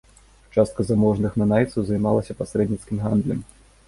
Частка заможных нанайцаў займалася пасрэдніцкім гандлем.